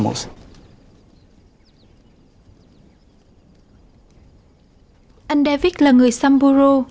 anh david là người samburu